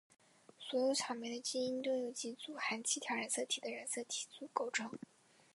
所有草莓的基因都由几组含七条染色体的染色体组构成。